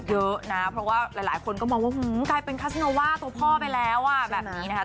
เยอะนะเพราะว่าหลายคนก็มองว่ากลายเป็นคัสโนว่าตัวพ่อไปแล้วอ่ะแบบนี้นะคะ